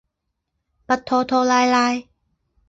不拖拖拉拉。